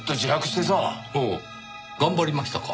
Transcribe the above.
ほう頑張りましたか。